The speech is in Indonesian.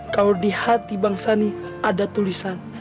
kalau di hati bang sani ada tulisan